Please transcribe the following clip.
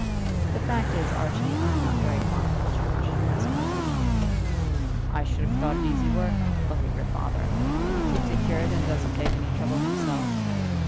"The fact is, Archie, I'm not very fond of the church, as a profession." "I should have thought it easy work. Look at your father. He keeps a curate and doesn't take any trouble himself.